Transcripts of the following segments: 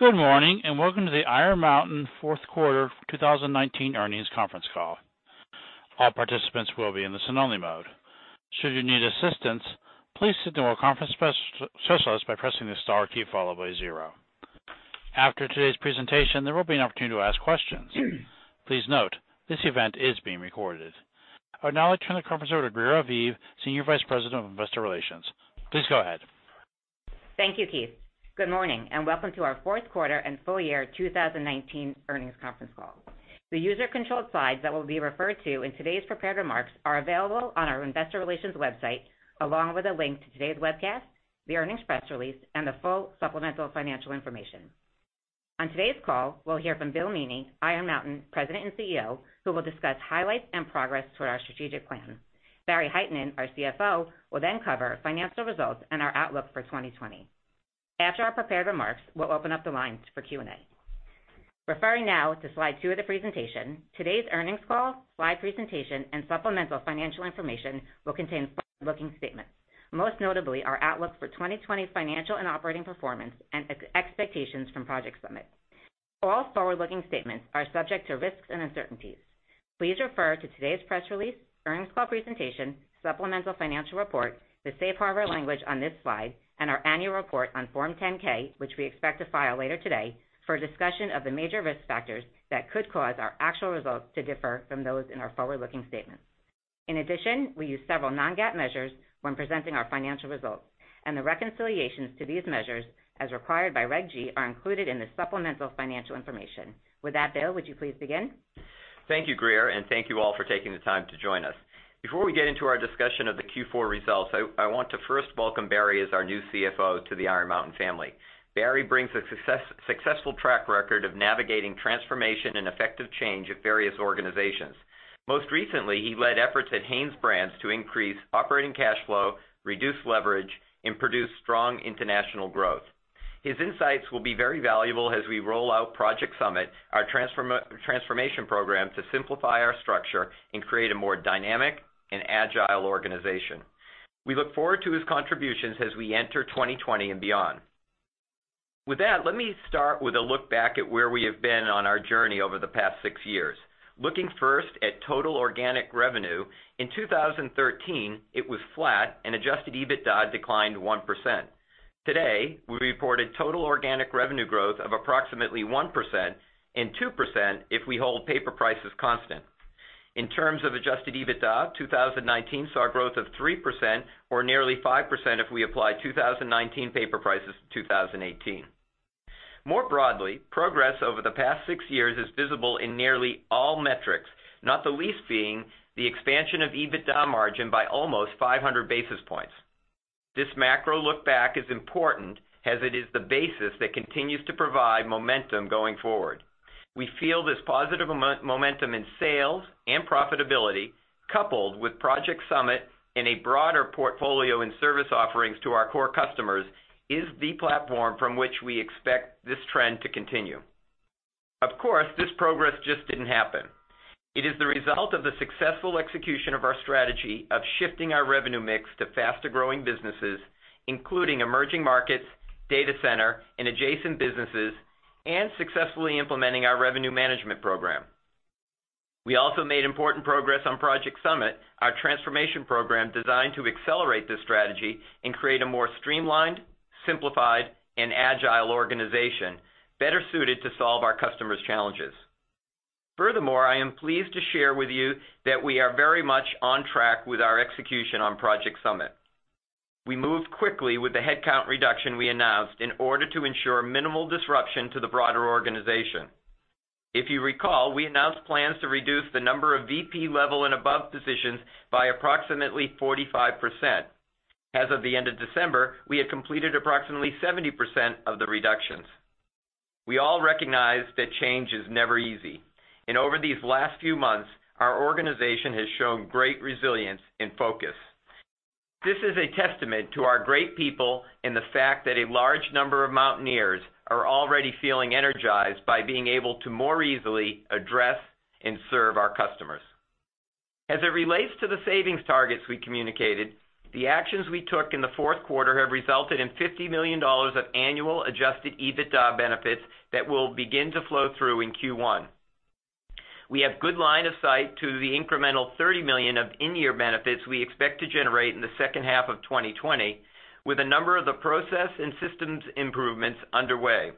Good morning, and welcome to the Iron Mountain Fourth Quarter 2019 Earnings Conference Call. All participants will be in listen-only mode. Should you need assistance, please signal a conference specialist by pressing the star key followed by zero. After today's presentation, there will be an opportunity to ask questions. Please note, this event is being recorded. I would now like turn the conference over to Greer Aviv, Senior Vice President of Investor Relations. Please go ahead. Thank you, Keith. Good morning, and welcome to our fourth quarter and full year 2019 earnings conference call. The user-controlled slides that will be referred to in today's prepared remarks are available on our Investor Relations website, along with a link to today's webcast, the earnings press release, and the full supplemental financial information. On today's call, we'll hear from Bill Meaney, Iron Mountain President and CEO, who will discuss highlights and progress toward our strategic plan. Barry Hytinen, our CFO, will cover financial results and our outlook for 2020. After our prepared remarks, we'll open up the lines for Q&A. Referring now to slide two of the presentation, today's earnings call, slide presentation, and supplemental financial information will contain forward-looking statements, most notably our outlook for 2020 financial and operating performance and expectations from Project Summit. All forward-looking statements are subject to risks and uncertainties. Please refer to today's press release, earnings call presentation, supplemental financial report, the Safe Harbor language on this slide, and our annual report on Form 10-K, which we expect to file later today, for a discussion of the major risk factors that could cause our actual results to differ from those in our forward-looking statements. In addition, we use several non-GAAP measures when presenting our financial results, and the reconciliations to these measures, as required by Reg G, are included in the supplemental financial information. With that, Bill, would you please begin? Thank you, Greer, thank you all for taking the time to join us. Before we get into our discussion of the Q4 results, I want to first welcome Barry as our new CFO to the Iron Mountain family. Barry brings a successful track record of navigating transformation and effective change at various organizations. Most recently, he led efforts at HanesBrands to increase operating cash flow, reduce leverage, and produce strong international growth. His insights will be very valuable as we roll out Project Summit, our transformation program to simplify our structure and create a more dynamic and agile organization. We look forward to his contributions as we enter 2020 and beyond. With that, let me start with a look back at where we have been on our journey over the past six years. Looking first at total organic revenue, in 2013, it was flat and adjusted EBITDA declined 1%. Today, we reported total organic revenue growth of approximately 1% and 2% if we hold paper prices constant. In terms of adjusted EBITDA, 2019 saw growth of 3% or nearly 5% if we apply 2019 paper prices to 2018. More broadly, progress over the past six years is visible in nearly all metrics, not the least being the expansion of EBITDA margin by almost 500 basis points. This macro look back is important, as it is the basis that continues to provide momentum going forward. We feel this positive momentum in sales and profitability, coupled with Project Summit and a broader portfolio and service offerings to our core customers, is the platform from which we expect this trend to continue. Of course, this progress just didn't happen. It is the result of the successful execution of our strategy of shifting our revenue mix to faster-growing businesses, including emerging markets, data center, and adjacent businesses, and successfully implementing our revenue management program. We also made important progress on Project Summit, our transformation program designed to accelerate this strategy and create a more streamlined, simplified, and agile organization better suited to solve our customers' challenges. Furthermore, I am pleased to share with you that we are very much on track with our execution on Project Summit. We moved quickly with the headcount reduction we announced in order to ensure minimal disruption to the broader organization. If you recall, we announced plans to reduce the number of VP-level and above positions by approximately 45%. As of the end of December, we had completed approximately 70% of the reductions. We all recognize that change is never easy, and over these last few months, our organization has shown great resilience and focus. This is a testament to our great people and the fact that a large number of Mountaineers are already feeling energized by being able to more easily address and serve our customers. As it relates to the savings targets we communicated, the actions we took in the fourth quarter have resulted in $50 million of annual adjusted EBITDA benefits that will begin to flow through in Q1. We have good line of sight to the incremental $30 million of in-year benefits we expect to generate in the second half of 2020, with a number of the process and systems improvements underway.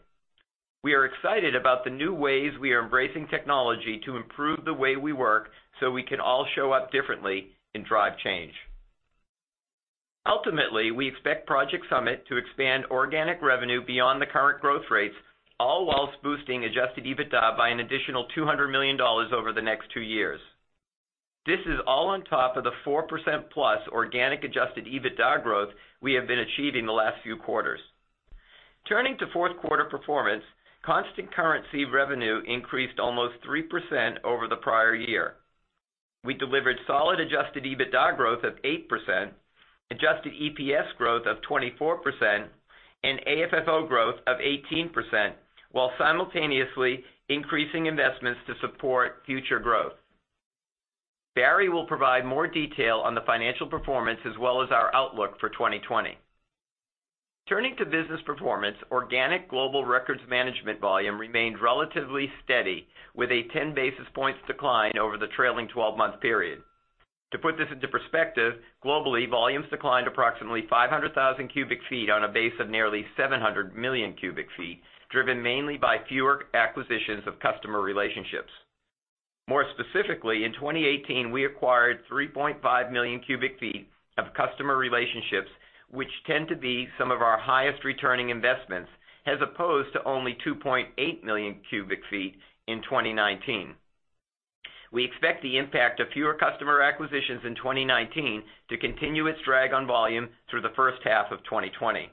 We are excited about the new ways we are embracing technology to improve the way we work so we can all show up differently and drive change. Ultimately, we expect Project Summit to expand organic revenue beyond the current growth rates, all whilst boosting adjusted EBITDA by an additional $200 million over the next two years. This is all on top of the 4%+ organic adjusted EBITDA growth we have been achieving the last few quarters. Turning to fourth quarter performance, constant currency revenue increased almost 3% over the prior year. We delivered solid adjusted EBITDA growth of 8%, adjusted EPS growth of 24%, and AFFO growth of 18%, while simultaneously increasing investments to support future growth. Barry will provide more detail on the financial performance as well as our outlook for 2020. Turning to business performance, organic Global Records Management volume remained relatively steady with a 10 basis points decline over the trailing 12-month period. To put this into perspective, globally, volumes declined approximately 500,000 cu ft on a base of nearly 700 million cubic feet, driven mainly by fewer acquisitions of customer relationships. More specifically, in 2018, we acquired 3.5 million cubic feet of customer relationships, which tend to be some of our highest returning investments, as opposed to only 2.8 million cubic feet in 2019. We expect the impact of fewer customer acquisitions in 2019 to continue its drag on volume through the first half of 2020.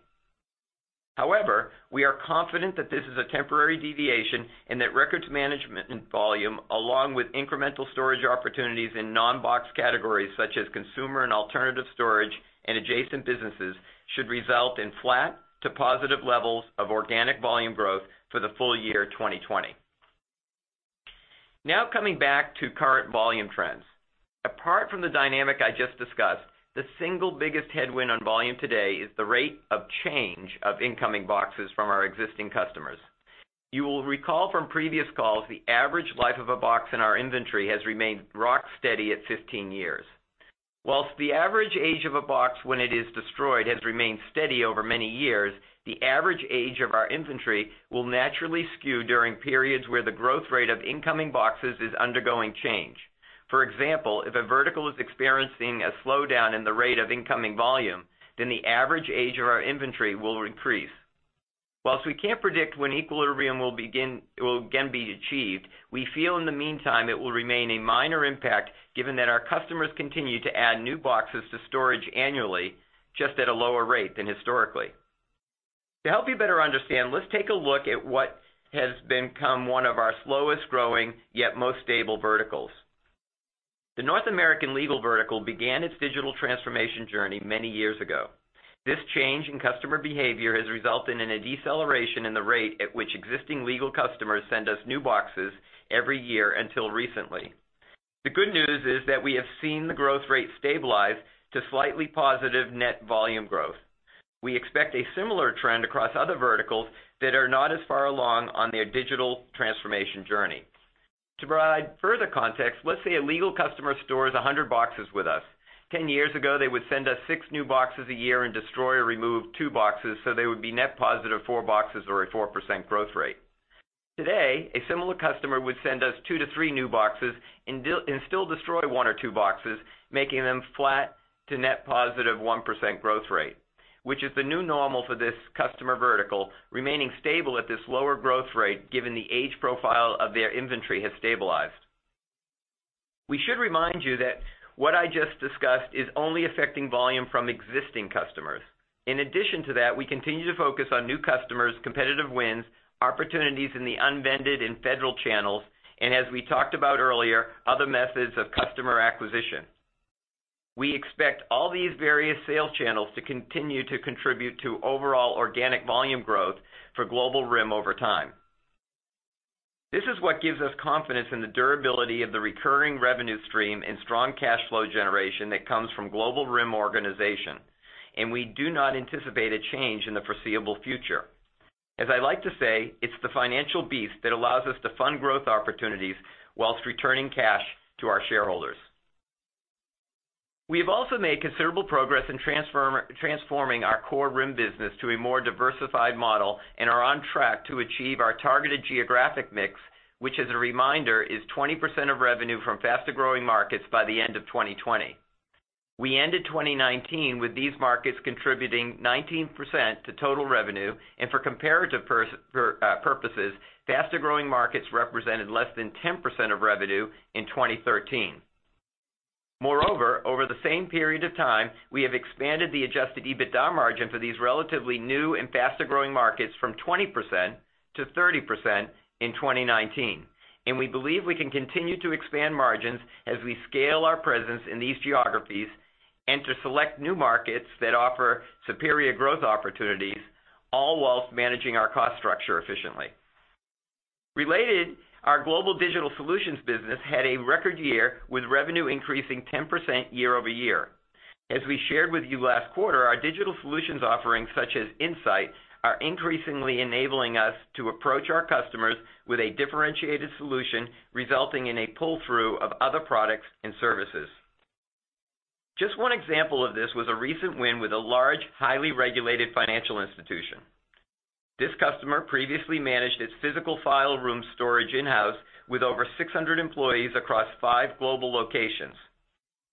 However, we are confident that this is a temporary deviation and that records management and volume, along with incremental storage opportunities in non-box categories such as consumer and alternative storage and adjacent businesses, should result in flat to positive levels of organic volume growth for the full year 2020. Now coming back to current volume trends. Apart from the dynamic I just discussed, the single biggest headwind on volume today is the rate of change of incoming boxes from our existing customers. You will recall from previous calls, the average life of a box in our inventory has remained rock steady at 15 years. While the average age of a box when it is destroyed has remained steady over many years, the average age of our inventory will naturally skew during periods where the growth rate of incoming boxes is undergoing change. For example, if a vertical is experiencing a slowdown in the rate of incoming volume, then the average age of our inventory will increase. While we can't predict when equilibrium will again be achieved, we feel in the meantime it will remain a minor impact given that our customers continue to add new boxes to storage annually, just at a lower rate than historically. To help you better understand, let's take a look at what has become one of our slowest-growing, yet most stable verticals. The North American legal vertical began its digital transformation journey many years ago. This change in customer behavior has resulted in a deceleration in the rate at which existing legal customers send us new boxes every year until recently. The good news is that we have seen the growth rate stabilize to slightly positive net volume growth. We expect a similar trend across other verticals that are not as far along on their digital transformation journey. To provide further context, let's say a legal customer stores 100 boxes with us. 10 years ago, they would send us six new boxes a year and destroy or remove two boxes, so they would be net positive four boxes or a 4% growth rate. Today, a similar customer would send us two to three new boxes and still destroy one or two boxes, making them flat to net positive 1% growth rate, which is the new normal for this customer vertical, remaining stable at this lower growth rate, given the age profile of their inventory has stabilized. We should remind you that what I just discussed is only affecting volume from existing customers. In addition to that, we continue to focus on new customers, competitive wins, opportunities in the unvended and federal channels, and as we talked about earlier, other methods of customer acquisition. We expect all these various sales channels to continue to contribute to overall organic volume growth for Global RIM over time. This is what gives us confidence in the durability of the recurring revenue stream and strong cash flow generation that comes from Global RIM organization. We do not anticipate a change in the foreseeable future. As I like to say, it's the financial beast that allows us to fund growth opportunities whilst returning cash to our shareholders. We have also made considerable progress in transforming our core RIM business to a more diversified model and are on track to achieve our targeted geographic mix, which as a reminder, is 20% of revenue from faster-growing markets by the end of 2020. We ended 2019 with these markets contributing 19% to total revenue. For comparative purposes, faster-growing markets represented less than 10% of revenue in 2013. Over the same period of time, we have expanded the adjusted EBITDA margin for these relatively new and faster-growing markets from 20% to 30% in 2019. We believe we can continue to expand margins as we scale our presence in these geographies and to select new markets that offer superior growth opportunities, all whilst managing our cost structure efficiently. Related, our global digital solutions business had a record year with revenue increasing 10% year-over-year. As we shared with you last quarter, our digital solutions offerings such as InSight are increasingly enabling us to approach our customers with a differentiated solution resulting in a pull-through of other products and services. Just one example of this was a recent win with a large, highly regulated financial institution. This customer previously managed its physical file room storage in-house with over 600 employees across five global locations.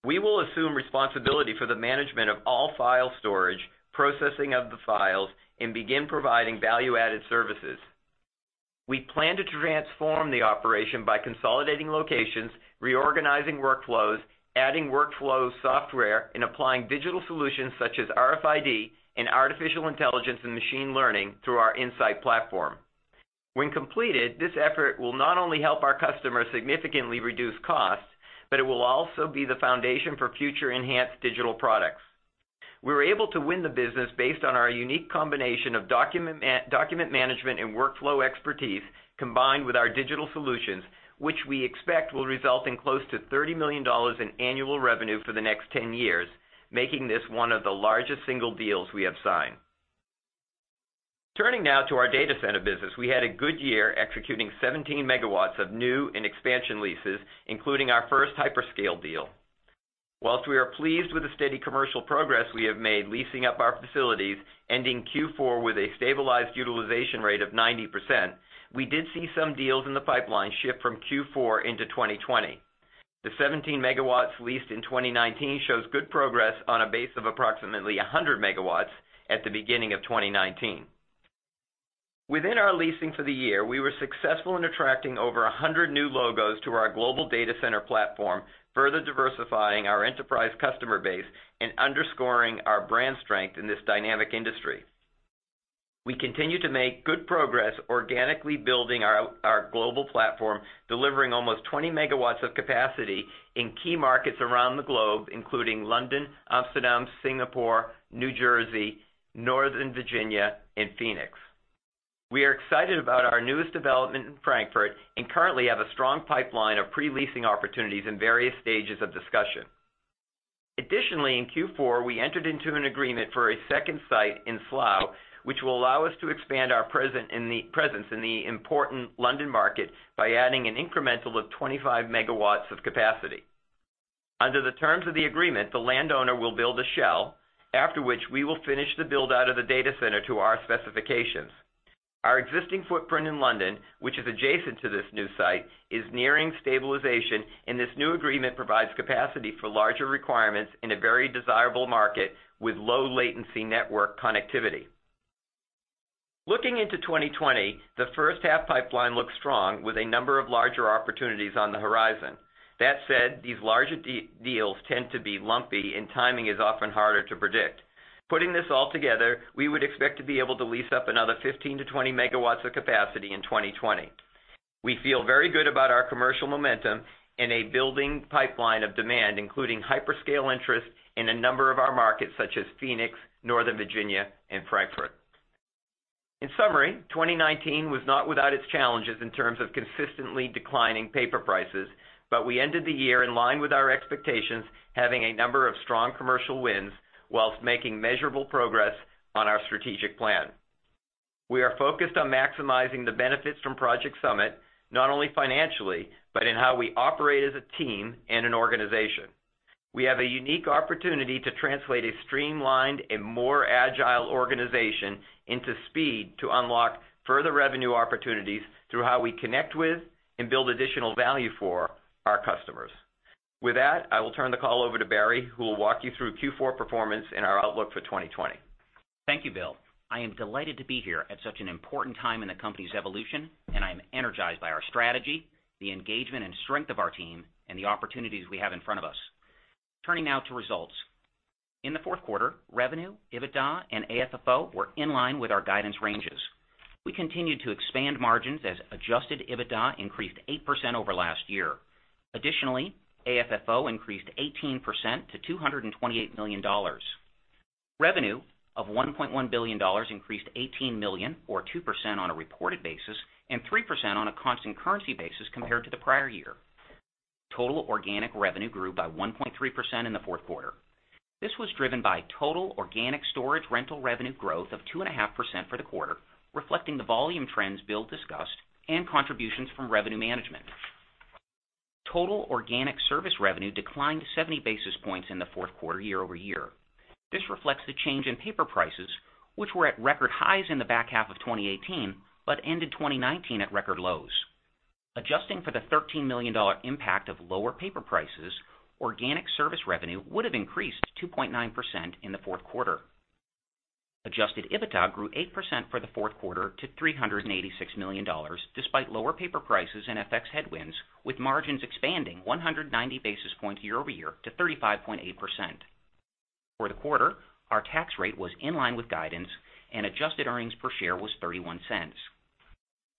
We will assume responsibility for the management of all file storage, processing of the files, and begin providing value-added services. We plan to transform the operation by consolidating locations, reorganizing workflows, adding workflow software, and applying digital solutions such as RFID and artificial intelligence and machine learning through our InSight platform. When completed, this effort will not only help our customers significantly reduce costs, but it will also be the foundation for future enhanced digital products. We were able to win the business based on our unique combination of document management and workflow expertise, combined with our digital solutions, which we expect will result in close to $30 million in annual revenue for the next 10 years, making this one of the largest single deals we have signed. Turning now to our data center business, we had a good year executing 17 MW of new and expansion leases, including our first hyperscale deal. We are pleased with the steady commercial progress we have made leasing up our facilities, ending Q4 with a stabilized utilization rate of 90%, we did see some deals in the pipeline shift from Q4 into 2020. The 17 MW leased in 2019 shows good progress on a base of approximately 100 MW at the beginning of 2019. Within our leasing for the year, we were successful in attracting over 100 new logos to our global data center platform, further diversifying our enterprise customer base and underscoring our brand strength in this dynamic industry. We continue to make good progress organically building our global platform, delivering almost 20 MW of capacity in key markets around the globe, including London, Amsterdam, Singapore, New Jersey, Northern Virginia, and Phoenix. We are excited about our newest development in Frankfurt and currently have a strong pipeline of pre-leasing opportunities in various stages of discussion. Additionally, in Q4, we entered into an agreement for a second site in Slough, which will allow us to expand our presence in the important London market by adding an incremental of 25 MW of capacity. Under the terms of the agreement, the landowner will build a shell, after which we will finish the build-out of the data center to our specifications. Our existing footprint in London, which is adjacent to this new site, is nearing stabilization, and this new agreement provides capacity for larger requirements in a very desirable market with low latency network connectivity. Looking into 2020, the first half pipeline looks strong with a number of larger opportunities on the horizon. That said, these larger deals tend to be lumpy and timing is often harder to predict. Putting this all together, we would expect to be able to lease up another 15 MW-20 MW of capacity in 2020. We feel very good about our commercial momentum and a building pipeline of demand, including hyperscale interest in a number of our markets, such as Phoenix, Northern Virginia, and Frankfurt. In summary, 2019 was not without its challenges in terms of consistently declining paper prices, but we ended the year in line with our expectations, having a number of strong commercial wins whilst making measurable progress on our strategic plan. We are focused on maximizing the benefits from Project Summit, not only financially, but in how we operate as a team and an organization. We have a unique opportunity to translate a streamlined and more agile organization into speed to unlock further revenue opportunities through how we connect with and build additional value for our customers. With that, I will turn the call over to Barry, who will walk you through Q4 performance and our outlook for 2020. Thank you, Bill. I am delighted to be here at such an important time in the company's evolution, and I'm energized by our strategy, the engagement and strength of our team, and the opportunities we have in front of us. Turning now to results. In the fourth quarter, revenue, EBITDA and AFFO were in line with our guidance ranges. We continued to expand margins as adjusted EBITDA increased 8% over last year. AFFO increased 18% to $228 million. Revenue of $1.1 billion increased $18 million, or 2% on a reported basis, and 3% on a constant currency basis compared to the prior year. Total organic revenue grew by 1.3% in the fourth quarter. This was driven by total organic storage rental revenue growth of 2.5% for the quarter, reflecting the volume trends Bill discussed and contributions from revenue management. Total organic service revenue declined 70 basis points in the fourth quarter year-over-year. This reflects the change in paper prices, which were at record highs in the back half of 2018, but ended 2019 at record lows. Adjusting for the $13 million impact of lower paper prices, organic service revenue would have increased 2.9% in the fourth quarter. Adjusted EBITDA grew 8% for the fourth quarter to $386 million, despite lower paper prices and FX headwinds, with margins expanding 190 basis points year-over-year to 35.8%. For the quarter, our tax rate was in line with guidance and adjusted earnings per share was $0.31.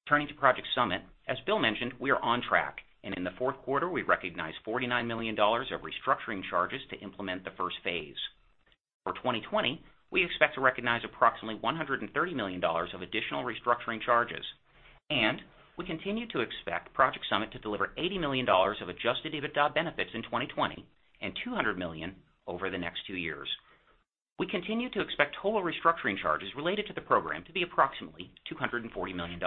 Turning to Project Summit, as Bill mentioned, we are on track, and in the fourth quarter, we recognized $49 million of restructuring charges to implement the first phase. For 2020, we expect to recognize approximately $130 million of additional restructuring charges. We continue to expect Project Summit to deliver $80 million of adjusted EBITDA benefits in 2020 and $200 million over the next two years. We continue to expect total restructuring charges related to the program to be approximately $240 million.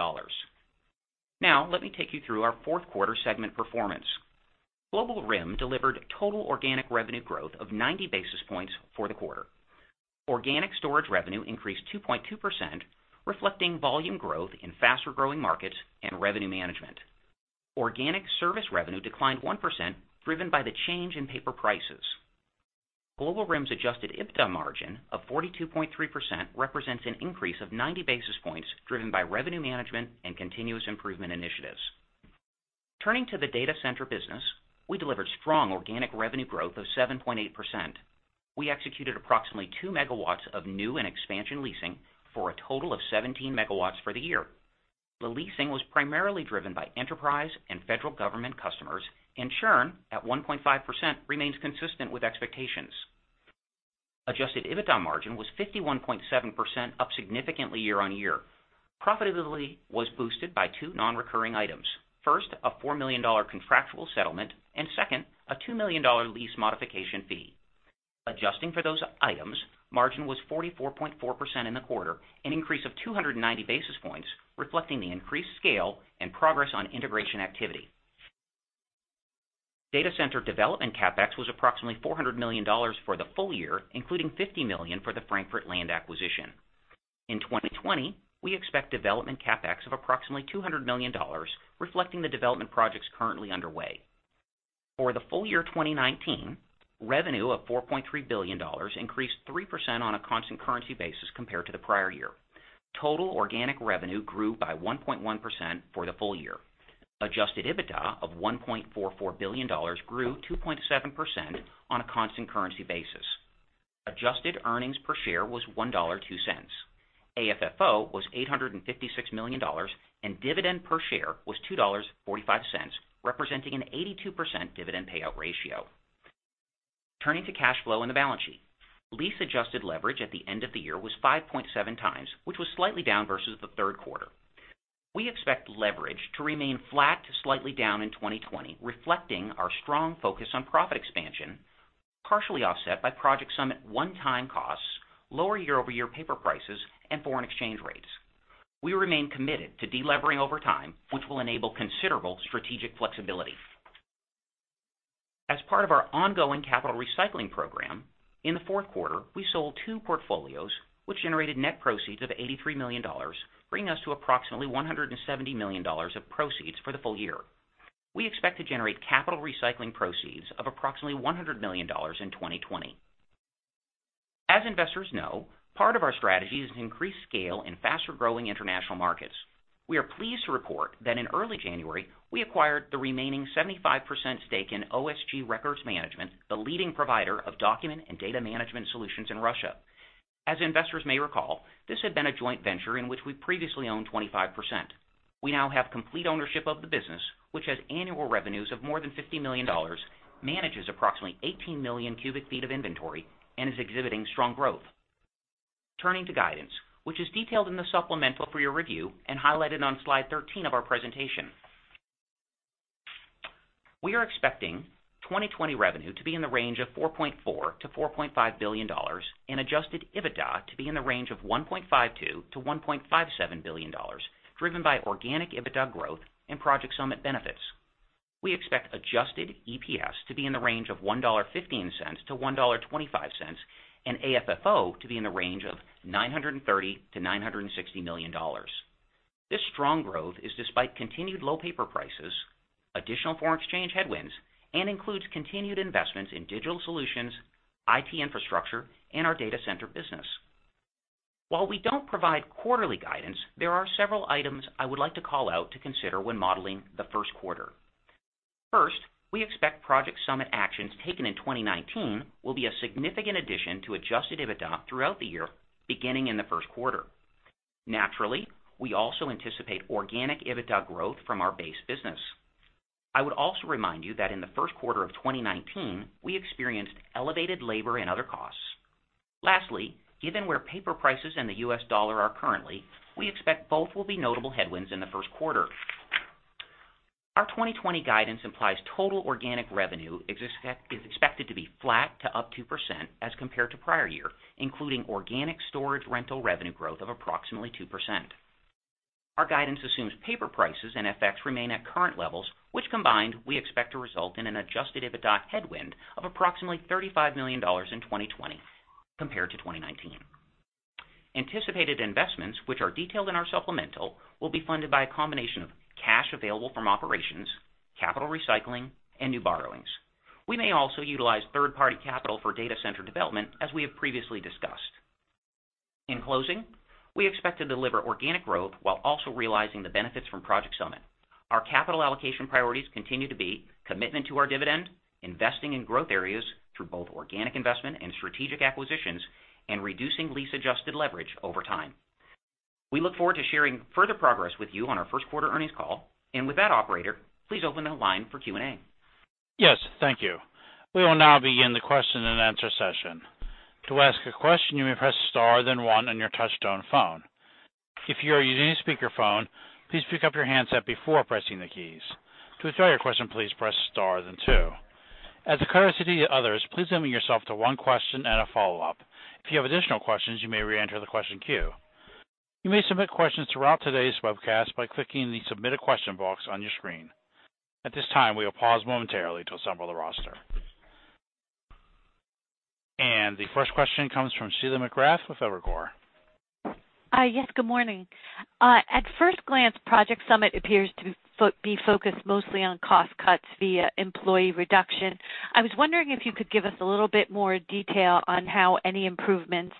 Let me take you through our fourth quarter segment performance. Global RIM delivered total organic revenue growth of 90 basis points for the quarter. Organic storage revenue increased 2.2%, reflecting volume growth in faster-growing markets and revenue management. Organic service revenue declined 1%, driven by the change in paper prices. Global RIM's adjusted EBITDA margin of 42.3% represents an increase of 90 basis points, driven by revenue management and continuous improvement initiatives. Turning to the data center business, we delivered strong organic revenue growth of 7.8%. We executed approximately 2 MW of new and expansion leasing for a total of 17 MW for the year. The leasing was primarily driven by enterprise and federal government customers, and churn at 1.5% remains consistent with expectations. Adjusted EBITDA margin was 51.7%, up significantly year-on-year. Profitability was boosted by two non-recurring items. First, a $4 million contractual settlement, and second, a $2 million lease modification fee. Adjusting for those items, margin was 44.4% in the quarter, an increase of 290 basis points, reflecting the increased scale and progress on integration activity. Data center development CapEx was approximately $400 million for the full year, including $50 million for the Frankfurt land acquisition. In 2020, we expect development CapEx of approximately $200 million, reflecting the development projects currently underway. For the full year 2019, revenue of $4.3 billion increased 3% on a constant currency basis compared to the prior year. Total organic revenue grew by 1.1% for the full year. Adjusted EBITDA of $1.44 billion grew 2.7% on a constant currency basis. Adjusted earnings per share was $1.02. AFFO was $856 million, and dividend per share was $2.45, representing an 82% dividend payout ratio. Turning to cash flow and the balance sheet. Lease adjusted leverage at the end of the year was 5.7x, which was slightly down versus the third quarter. We expect leverage to remain flat to slightly down in 2020, reflecting our strong focus on profit expansion, partially offset by Project Summit one-time costs, lower year-over-year paper prices, and foreign exchange rates. We remain committed to de-levering over time, which will enable considerable strategic flexibility. As part of our ongoing capital recycling program, in the fourth quarter, we sold two portfolios, which generated net proceeds of $83 million, bringing us to approximately $170 million of proceeds for the full year. We expect to generate capital recycling proceeds of approximately $100 million in 2020. As investors know, part of our strategy is to increase scale in faster-growing international markets. We are pleased to report that in early January, we acquired the remaining 75% stake in OSG Records Management, the leading provider of document and data management solutions in Russia. As investors may recall, this had been a joint venture in which we previously owned 25%. We now have complete ownership of the business, which has annual revenues of more than $50 million, manages approximately 18 million cubic feet of inventory, and is exhibiting strong growth. Turning to guidance, which is detailed in the supplemental for your review and highlighted on slide 13 of our presentation. We are expecting 2020 revenue to be in the range of $4.4 billion-$4.5 billion and adjusted EBITDA to be in the range of $1.52 billion-$1.57 billion, driven by organic EBITDA growth and Project Summit benefits. We expect adjusted EPS to be in the range of $1.15-$1.25, and AFFO to be in the range of $930 million-$960 million. This strong growth is despite continued low paper prices, additional foreign exchange headwinds, and includes continued investments in digital solutions, IT infrastructure, and our data center business. While we don't provide quarterly guidance, there are several items I would like to call out to consider when modeling the first quarter. We expect Project Summit actions taken in 2019 will be a significant addition to adjusted EBITDA throughout the year, beginning in the first quarter. We also anticipate organic EBITDA growth from our base business. I would also remind you that in the first quarter of 2019, we experienced elevated labor and other costs. Given where paper prices and the US dollar are currently, we expect both will be notable headwinds in the first quarter. Our 2020 guidance implies total organic revenue is expected to be flat to up 2% as compared to prior year, including organic storage rental revenue growth of approximately 2%. Our guidance assumes paper prices and FX remain at current levels, which combined, we expect to result in an adjusted EBITDA headwind of approximately $35 million in 2020 compared to 2019. Anticipated investments, which are detailed in our supplemental, will be funded by a combination of cash available from operations, capital recycling, and new borrowings. We may also utilize third-party capital for data center development, as we have previously discussed. In closing, we expect to deliver organic growth while also realizing the benefits from Project Summit. Our capital allocation priorities continue to be commitment to our dividend, investing in growth areas through both organic investment and strategic acquisitions, and reducing lease-adjusted leverage over time. We look forward to sharing further progress with you on our first quarter earnings call. With that, operator, please open the line for Q&A. Yes. Thank you. We will now begin the question and answer session. To ask a question, you may press star then one on your touchtone phone. If you are using a speakerphone, please pick up your handset before pressing the keys. To withdraw your question, please press star then two. As a courtesy to others, please limit yourself to one question and a follow-up. If you have additional questions, you may reenter the question queue. You may submit questions throughout today's webcast by clicking the Submit a Question box on your screen. At this time, we will pause momentarily to assemble the roster. The first question comes from Sheila McGrath with Evercore. Yes, good morning. At first glance, Project Summit appears to be focused mostly on cost cuts via employee reduction. I was wondering if you could give us a little bit more detail on how any improvements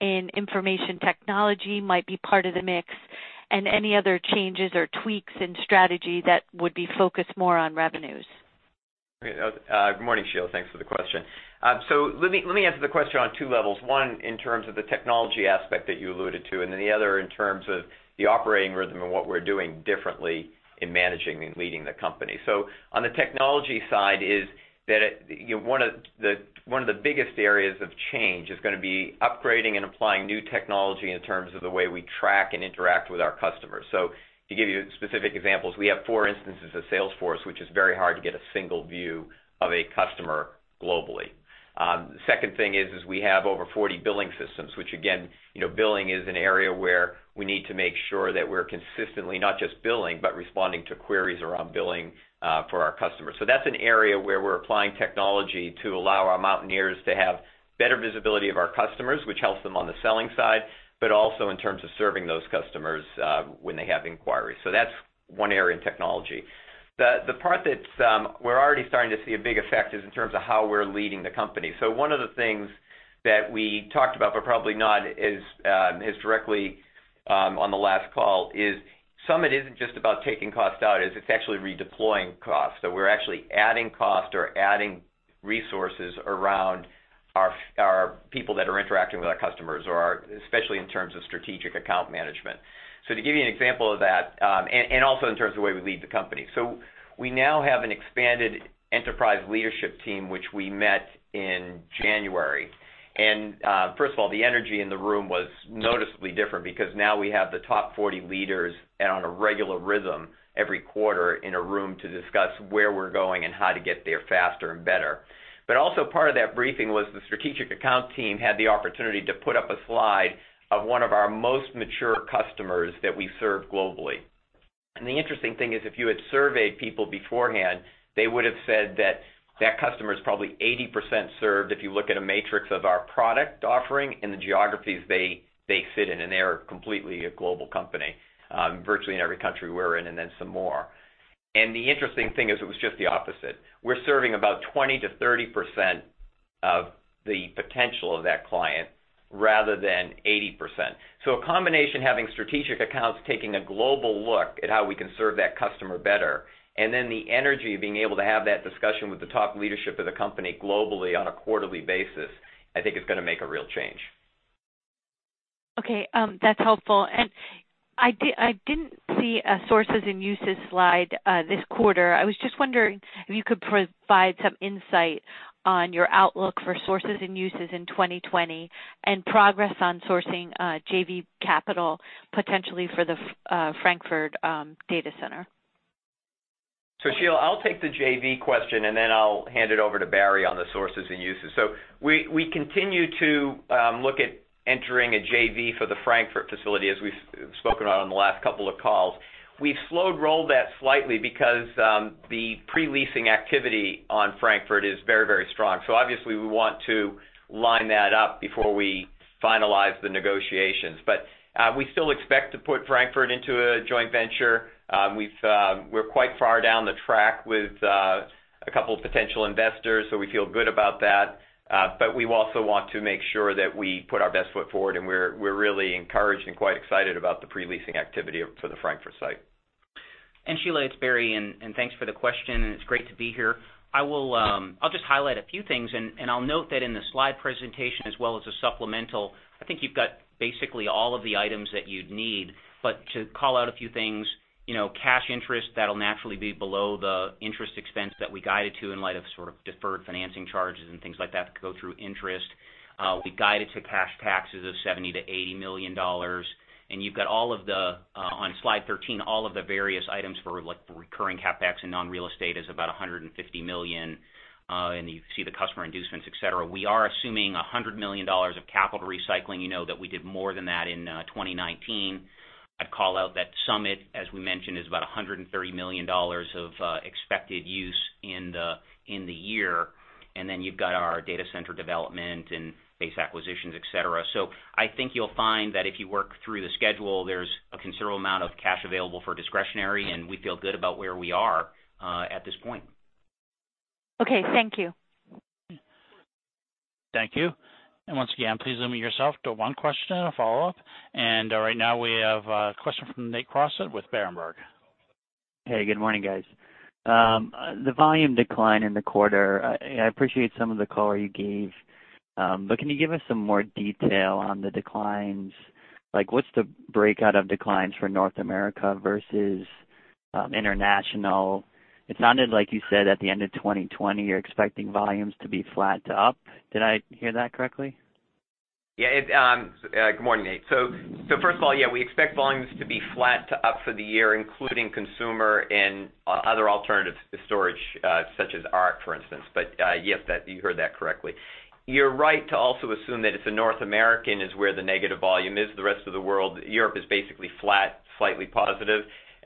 in information technology might be part of the mix and any other changes or tweaks in strategy that would be focused more on revenues. Good morning, Sheila. Thanks for the question. Let me answer the question on two levels. One, in terms of the technology aspect that you alluded to, and then the other in terms of the operating rhythm and what we're doing differently in managing and leading the company. On the technology side is that one of the biggest areas of change is going to be upgrading and applying new technology in terms of the way we track and interact with our customers. To give you specific examples, we have four instances of Salesforce, which is very hard to get a single view of a customer globally. The second thing is we have over 40 billing systems, which again, billing is an area where we need to make sure that we're consistently not just billing, but responding to queries around billing for our customers. That's an area where we're applying technology to allow our Mountaineers to have better visibility of our customers, which helps them on the selling side, but also in terms of serving those customers when they have inquiries. That's one area in technology. The part that we're already starting to see a big effect is in terms of how we're leading the company. One of the things that we talked about, but probably not as directly on the last call is, Summit isn't just about taking cost out, it's actually redeploying cost. We're actually adding cost or adding resources around our people that are interacting with our customers, especially in terms of strategic account management. To give you an example of that, and also in terms of the way we lead the company. We now have an expanded enterprise leadership team, which we met in January. First of all, the energy in the room was noticeably different because now we have the top 40 leaders and on a regular rhythm every quarter in a room to discuss where we're going and how to get there faster and better. Also part of that briefing was the strategic account team had the opportunity to put up a slide of one of our most mature customers that we serve globally. The interesting thing is, if you had surveyed people beforehand, they would've said that that customer is probably 80% served if you look at a matrix of our product offering and the geographies they sit in, and they are completely a global company, virtually in every country we're in, and then some more. The interesting thing is it was just the opposite. We're serving about 20%-30% of the potential of that client rather than 80%. A combination, having strategic accounts, taking a global look at how we can serve that customer better, and then the energy of being able to have that discussion with the top leadership of the company globally on a quarterly basis, I think is going to make a real change. Okay. That's helpful. I didn't see a sources and uses slide this quarter. I was just wondering if you could provide some insight on your outlook for sources and uses in 2020 and progress on sourcing JV capital potentially for the Frankfurt data center? Sheila, I'll take the JV question, and then I'll hand it over to Barry on the sources and uses. We continue to look at entering a JV for the Frankfurt facility, as we've spoken on the last couple of calls. We've slow-rolled that slightly because the pre-leasing activity on Frankfurt is very strong. Obviously, we want to line that up before we finalize the negotiations. We still expect to put Frankfurt into a joint venture. We're quite far down the track with a couple of potential investors, so we feel good about that. We also want to make sure that we put our best foot forward, and we're really encouraged and quite excited about the pre-leasing activity for the Frankfurt site. Sheila, it's Barry, and thanks for the question, and it's great to be here. I'll just highlight a few things, and I'll note that in the slide presentation as well as the supplemental, I think you've got basically all of the items that you'd need. To call out a few things, cash interest, that'll naturally be below the interest expense that we guided to in light of sort of deferred financing charges and things like that go through interest. We guided to cash taxes of $70 million-$80 million. You've got, on slide 13, all of the various items for recurring CapEx and non-real estate is about $150 million. You see the customer inducements, et cetera. We are assuming $100 million of capital recycling. You know that we did more than that in 2019. I'd call out that Project Summit, as we mentioned, is about $130 million of expected use in the year. You've got our data center development and base acquisitions, et cetera. I think you'll find that if you work through the schedule, there's a considerable amount of cash available for discretionary, and we feel good about where we are at this point. Okay, thank you. Thank you. Once again, please limit yourself to one question and a follow-up. Right now, we have a question from Nate Crossett with Berenberg. Hey, good morning, guys. The volume decline in the quarter, I appreciate some of the color you gave. Can you give us some more detail on the declines? Like, what's the breakout of declines for North America versus international? It sounded like you said at the end of 2020, you're expecting volumes to be flat to up. Did I hear that correctly? Good morning, Nate. First of all, we expect volumes to be flat to up for the year, including consumer and other alternatives to storage, such as ARC, for instance. Yes, you heard that correctly. You're right to also assume that it's North American is where the negative volume is. The rest of the world, Europe is basically flat, slightly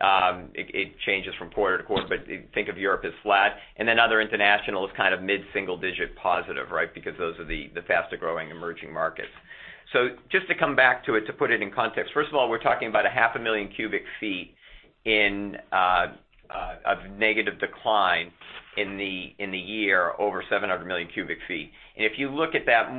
positive. It changes from quarter to quarter, think of Europe as flat. Other international is kind of mid-single-digit positive, right? Because those are the faster-growing emerging markets. Just to come back to it, to put it in context, first of all, we're talking about a 0.5 Million cubic feet of negative decline in the year over 700 million cubic feet. If you look at that's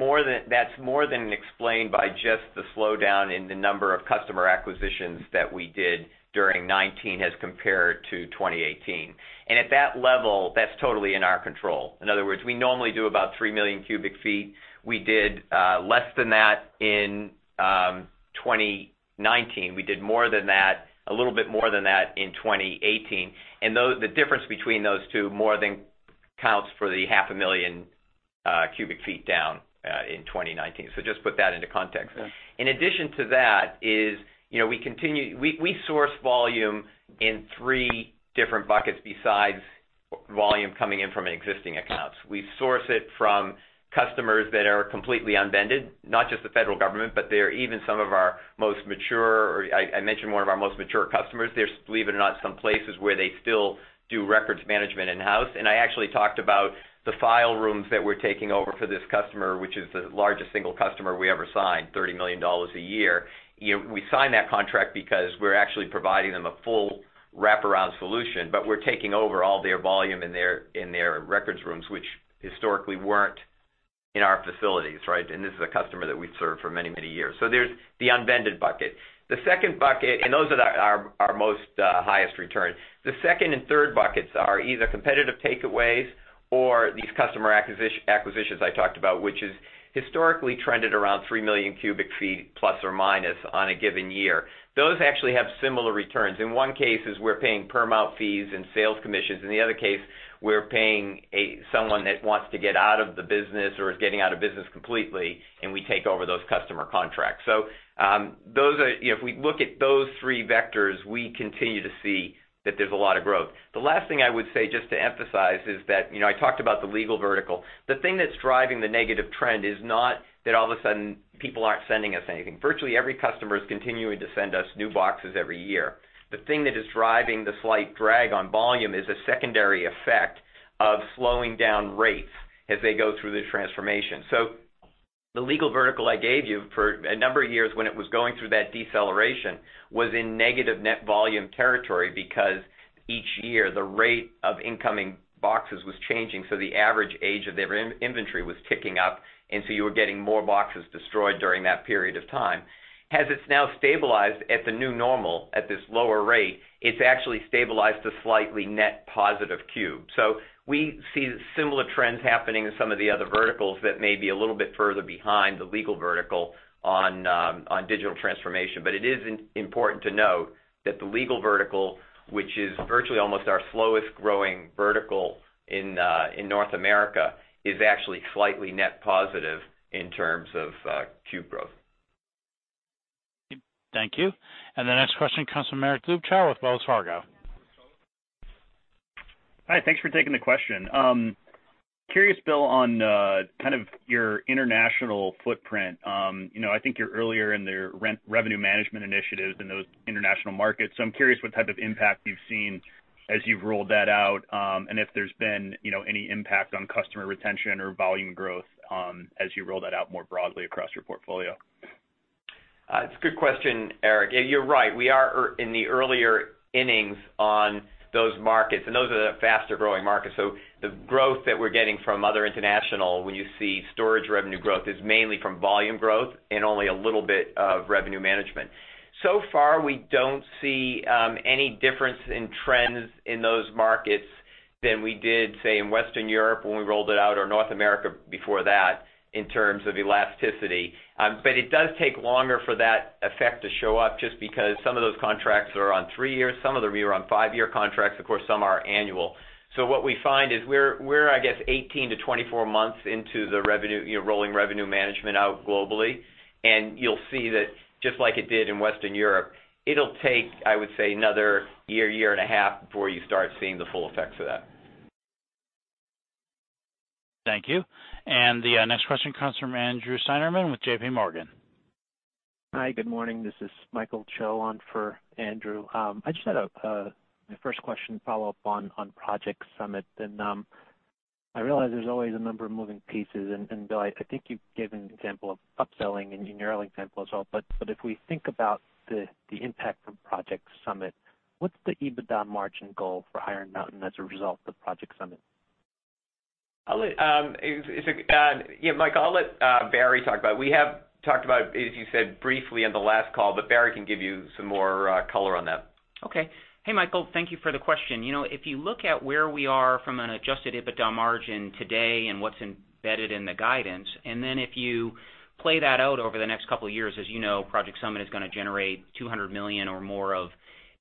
more than explained by just the slowdown in the number of customer acquisitions that we did during 2019 as compared to 2018. At that level, that's totally in our control. In other words, we normally do about 3 million cubic feet. We did less than that in 2019. We did a little bit more than that in 2018. The difference between those two more than counts for the 0.5 Million cubic feet down in 2019. Just put that into context. Yeah. In addition to that is we source volume in three different buckets besides volume coming in from existing accounts. We source it from customers that are completely unvended, not just the federal government, but they're even some of our most mature customers. There's, believe it or not, some places where they still do records management in-house. I actually talked about the file rooms that we're taking over for this customer, which is the largest single customer we ever signed, $30 million a year. We signed that contract because we're actually providing them a full wraparound solution. We're taking over all their volume in their records rooms, which historically weren't in our facilities, right? This is a customer that we've served for many, many years. There's the unvended bucket. Those are our most highest return. The second and third buckets are either competitive takeaways or these customer acquisitions I talked about, which is historically trended around 3 million cubic feet, plus/minus, on a given year. Those actually have similar returns. In one case is we're paying per mount fees and sales commissions. In the other case, we're paying someone that wants to get out of the business or is getting out of business completely, and we take over those customer contracts. If we look at those three vectors, we continue to see that there's a lot of growth. The last thing I would say, just to emphasize, is that I talked about the legal vertical. The thing that's driving the negative trend is not that all of a sudden people aren't sending us anything. Virtually every customer is continuing to send us new boxes every year. The thing that is driving the slight drag on volume is a secondary effect of slowing down rates as they go through the transformation. The legal vertical I gave you for a number of years when it was going through that deceleration, was in negative net volume territory because each year the rate of incoming boxes was changing, so the average age of their inventory was ticking up, and so you were getting more boxes destroyed during that period of time. As it's now stabilized at the new normal, at this lower rate, it's actually stabilized to slightly net positive cube. We see similar trends happening in some of the other verticals that may be a little bit further behind the legal vertical on digital transformation. It is important to note that the legal vertical, which is virtually almost our slowest growing vertical in North America, is actually slightly net positive in terms of cube growth. Thank you. The next question comes from Eric Luebchow with Wells Fargo. Hi. Thanks for taking the question. Curious, Bill, on kind of your international footprint. I think you're earlier in the revenue management initiatives in those international markets. I'm curious what type of impact you've seen as you've rolled that out, and if there's been any impact on customer retention or volume growth as you roll that out more broadly across your portfolio. It's a good question, Eric. You're right. We are in the earlier innings on those markets. Those are the faster-growing markets. The growth that we're getting from other international, when you see storage revenue growth, is mainly from volume growth and only a little bit of revenue management. So far, we don't see any difference in trends in those markets than we did, say, in Western Europe when we rolled it out, or North America before that, in terms of elasticity. It does take longer for that effect to show up just because some of those contracts are on three years, some of them are on five-year contracts. Of course, some are annual. What we find is we're I guess 18-24 months into the rolling revenue management out globally, and you'll see that just like it did in Western Europe, it'll take, I would say, another year and a half before you start seeing the full effects of that. Thank you. The next question comes from Andrew Steinerman with JPMorgan. Hi, good morning. This is Michael Cho on for Andrew. My first question follow up on Project Summit. I realize there's always a number of moving pieces, and Bill, I think you've given an example of upselling in your example as well. If we think about the impact from Project Summit, what's the EBITDA margin goal for Iron Mountain as a result of Project Summit? Mike, I'll let Barry talk about it. We have talked about, as you said, briefly on the last call. Barry can give you some more color on that. Okay. Hey, Michael. Thank you for the question. If you look at where we are from an adjusted EBITDA margin today and what's embedded in the guidance, then if you play that out over the next couple of years, as you know, Project Summit is going to generate $200 million or more of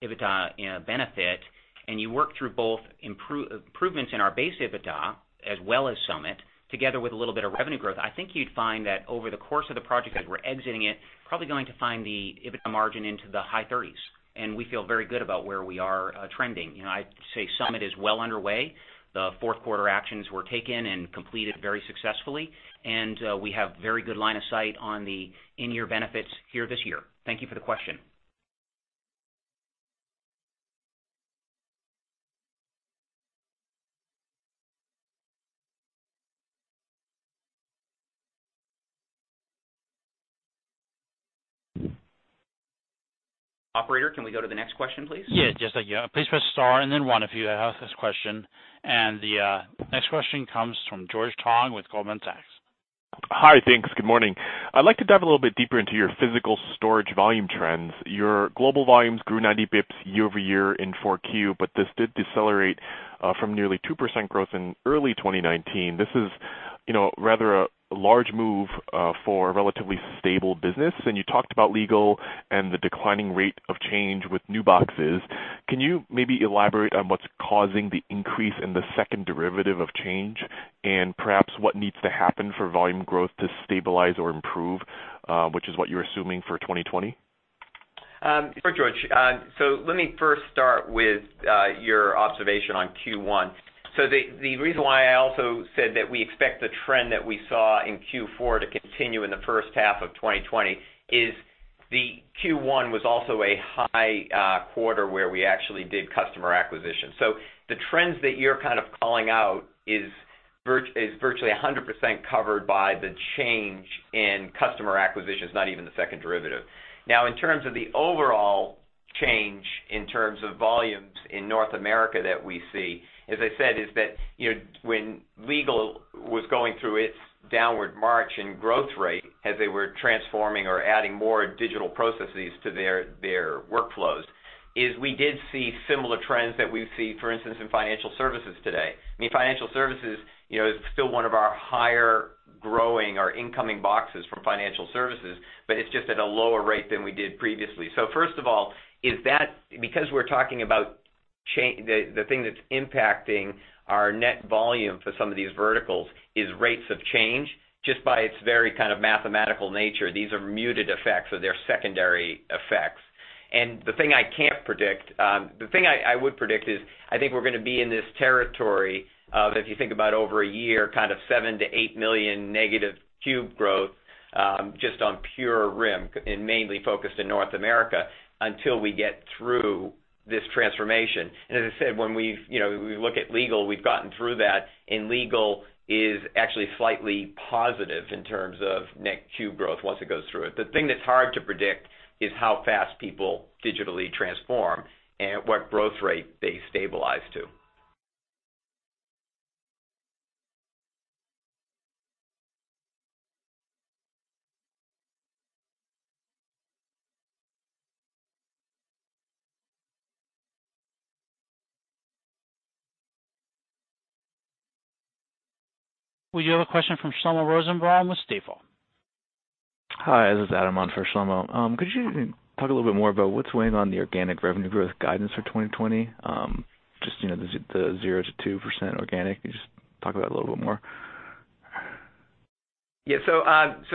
EBITDA in a benefit, and you work through both improvements in our base EBITDA as well as Summit together with a little bit of revenue growth, I think you'd find that over the course of the project, as we're exiting it, probably going to find the EBITDA margin into the high 30s, and we feel very good about where we are trending. I'd say Summit is well underway. The fourth quarter actions were taken and completed very successfully, and we have very good line of sight on the in-year benefits here this year. Thank you for the question. Operator, can we go to the next question, please? Yeah, just a second. Please press star and then one if you have this question. The next question comes from George Tong with Goldman Sachs. Hi. Thanks. Good morning. I'd like to dive a little bit deeper into your physical storage volume trends. Your global volumes grew 90 basis points year-over-year in 4Q, but this did decelerate from nearly 2% growth in early 2019. This is rather a large move for a relatively stable business. You talked about legal and the declining rate of change with new boxes. Can you maybe elaborate on what's causing the increase in the second derivative of change? Perhaps what needs to happen for volume growth to stabilize or improve, which is what you're assuming for 2020? Sure, George. Let me first start with your observation on Q1. The reason why I also said that we expect the trend that we saw in Q4 to continue in the first half of 2020 is the Q1 was also a high quarter where we actually did customer acquisition. The trends that you're calling out is virtually 100% covered by the change in customer acquisitions, not even the second derivative. In terms of the overall change in terms of volumes in North America that we see, as I said, is that when legal was going through its downward march in growth rate, as they were transforming or adding more digital processes to their workflows, is we did see similar trends that we see, for instance, in financial services today. Financial services is still one of our higher growing or incoming boxes from financial services, but it's just at a lower rate than we did previously. First of all, is that because we're talking about the thing that's impacting our net volume for some of these verticals is rates of change, just by its very kind of mathematical nature, these are muted effects or they're secondary effects. The thing I would predict is, I think we're going to be in this territory of, if you think about over a year, kind of 7 million-8 million negative cube growth, just on pure RIM and mainly focused in North America until we get through this transformation. As I said, when we look at legal, we've gotten through that, and legal is actually slightly positive in terms of net cube growth once it goes through it. The thing that's hard to predict is how fast people digitally transform and what growth rate they stabilize to. We have a question from Shlomo Rosenbaum with Stifel. Hi, this is Adam on for Shlomo. Could you talk a little bit more about what's weighing on the organic revenue growth guidance for 2020? Just the 0% to 2% organic. Could you just talk about it a little bit more? Yeah.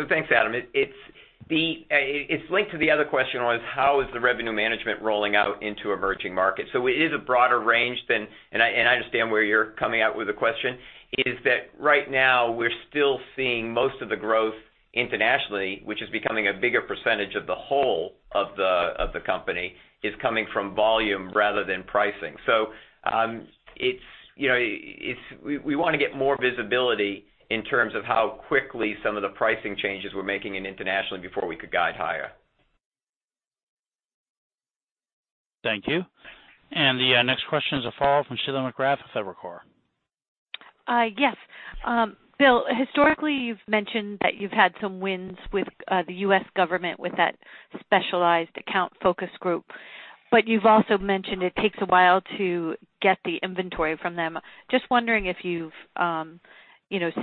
Thanks, Adam. It's linked to the other question was, how is the revenue management rolling out into emerging markets? It is a broader range than I understand where you're coming out with the question. Right now we're still seeing most of the growth internationally, which is becoming a bigger percentage of the whole of the company, is coming from volume rather than pricing. We want to get more visibility in terms of how quickly some of the pricing changes we're making in internationally before we could guide higher. Thank you. The next question is a follow-up from Sheila McGrath with Evercore. Yes. Bill, historically, you've mentioned that you've had some wins with the U.S. government with that specialized account focus group. You've also mentioned it takes a while to get the inventory from them. Just wondering if you've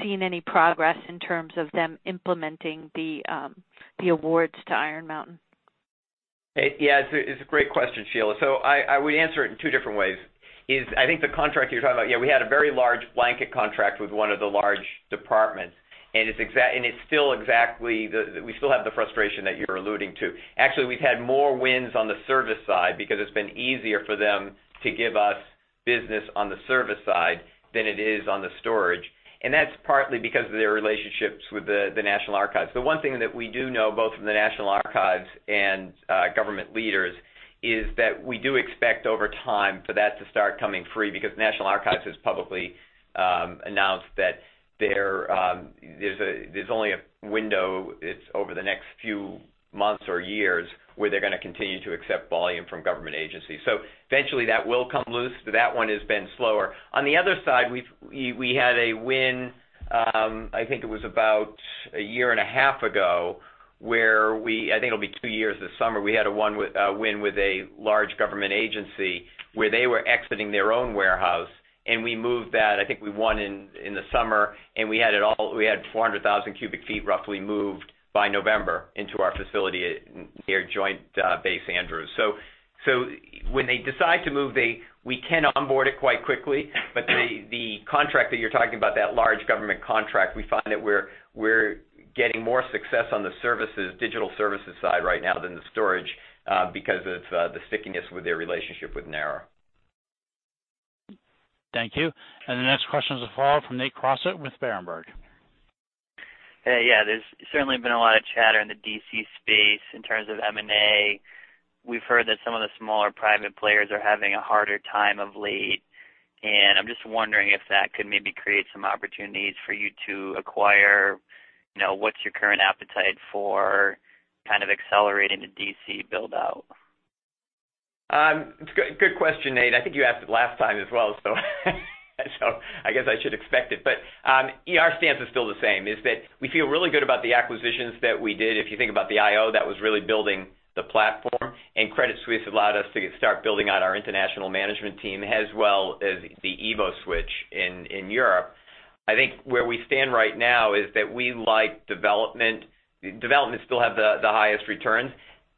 seen any progress in terms of them implementing the awards to Iron Mountain? It's a great question, Sheila. I would answer it in two different ways. I think the contract you're talking about, yeah, we had a very large blanket contract with one of the large departments, and we still have the frustration that you're alluding to. Actually, we've had more wins on the service side because it's been easier for them to give us business on the service side than it is on the storage. That's partly because of their relationships with the National Archives. The one thing that we do know, both from the National Archives and government leaders, is that we do expect over time for that to start coming free, because National Archives has publicly announced that there's only a window, it's over the next few months or years, where they're going to continue to accept volume from government agencies. Eventually that will come loose. That one has been slower. On the other side, we had a win, I think it was about a year and a half ago, where we I think it'll be two years this summer. We had a win with a large government agency where they were exiting their own warehouse, and we moved that. I think we won in the summer, and we had 400,000 cu ft roughly moved by November into our facility near Joint Base Andrews. When they decide to move, we can onboard it quite quickly. The contract that you're talking about, that large government contract, we find that we're getting more success on the digital services side right now than the storage, because of the stickiness with their relationship with NARA. Thank you. The next question is a follow-up from Nate Crossett with Berenberg. Hey, yeah. There's certainly been a lot of chatter in the D.C. space in terms of M&A. We've heard that some of the smaller private players are having a harder time of late, and I'm just wondering if that could maybe create some opportunities for you to acquire. What's your current appetite for kind of accelerating the D.C. build-out? Good question, Nate. I think you asked it last time as well, so I guess I should expect it. Our stance is still the same, is that we feel really good about the acquisitions that we did. If you think about the IO, that was really building the platform, and Credit Suisse allowed us to start building out our international management team, as well as the EvoSwitch in Europe. I think where we stand right now is that we like development. Development still have the highest returns.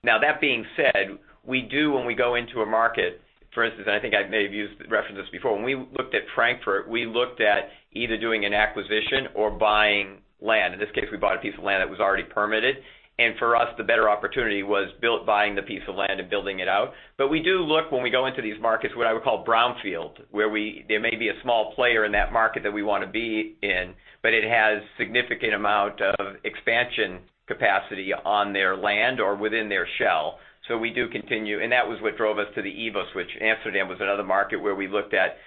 That being said, we do when we go into a market, for instance, and I think I may have referenced this before. When we looked at Frankfurt, we looked at either doing an acquisition or buying land. In this case, we bought a piece of land that was already permitted, and for us, the better opportunity was buying the piece of land and building it out. We do look, when we go into these markets, what I would call brownfield, where there may be a small player in that market that we want to be in, but it has significant amount of expansion capacity on their land or within their shell. We do continue, and that was what drove us to the EvoSwitch. Amsterdam was another market where we looked at,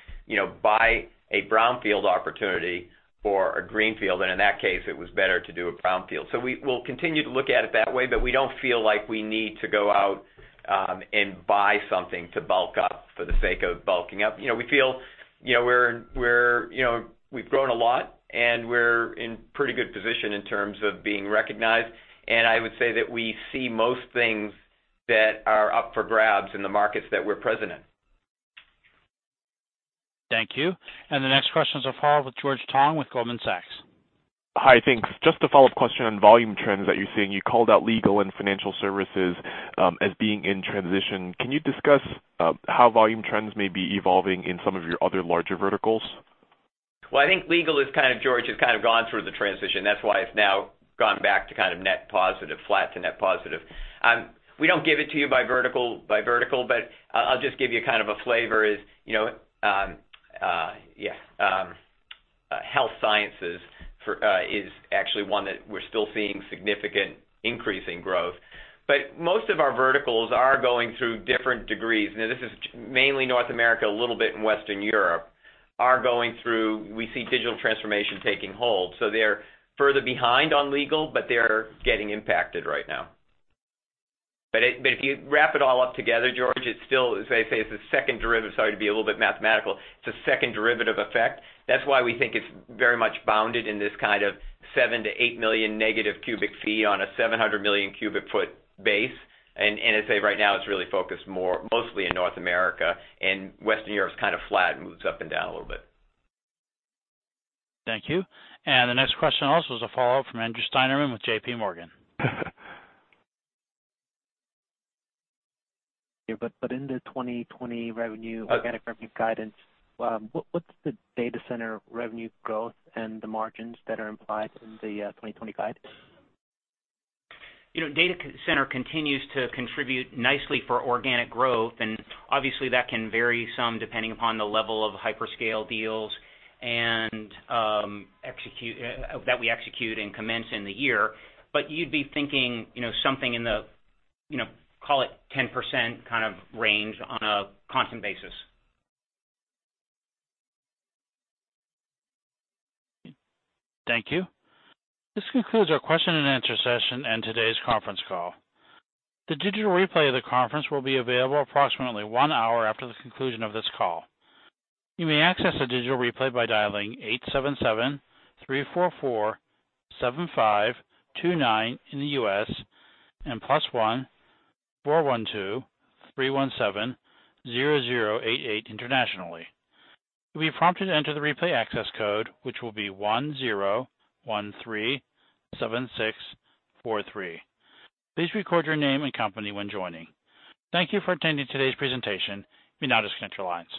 buy a brownfield opportunity or a greenfield, and in that case, it was better to do a brownfield. We'll continue to look at it that way, but we don't feel like we need to go out and buy something to bulk up for the sake of bulking up. We've grown a lot, and we're in pretty good position in terms of being recognized. I would say that we see most things that are up for grabs in the markets that we're present in. Thank you. The next questions are followed with George Tong with Goldman Sachs. Hi. Thanks. Just a follow-up question on volume trends that you're seeing. You called out legal and financial services as being in transition. Can you discuss how volume trends may be evolving in some of your other larger verticals? Well, I think legal, George, has kind of gone through the transition. That's why it's now gone back to kind of net positive, flat to net positive. We don't give it to you by vertical. I'll just give you kind of a flavor is, health sciences is actually one that we're still seeing significant increase in growth. Most of our verticals are going through different degrees. Now, this is mainly North America, a little bit in Western Europe, are going through, we see digital transformation taking hold. They're further behind on legal. They're getting impacted right now. If you wrap it all up together, George, it's still, as I say, it's a second derivative. Sorry to be a little bit mathematical. It's a second derivative effect. That's why we think it's very much bounded in this kind of 7 million-8 million negative cubic feet on a 700 million cubic foot base. I'd say right now, it's really focused mostly in North America, and Western Europe's kind of flat and moves up and down a little bit. Thank you. The next question also is a follow-up from Andrew Steinerman with JPMorgan. In the 2020 organic revenue guidance, what's the data center revenue growth and the margins that are implied in the 2020 guide? Data center continues to contribute nicely for organic growth, and obviously, that can vary some depending upon the level of hyperscale deals that we execute and commence in the year. You'd be thinking something in the call it 10% kind of range on a constant basis. Thank you. This concludes our question and answer session and today's conference call. The digital replay of the conference will be available approximately one hour after the conclusion of this call. You may access the digital replay by dialing 877-344-7529 in the U.S. and +1-412-317-0088 internationally. You'll be prompted to enter the replay access code, which will be 10137643. Please record your name and company when joining. Thank you for attending today's presentation. We now disconnect your lines.